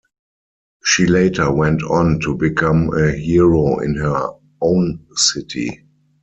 She later went on to become a hero in her own city.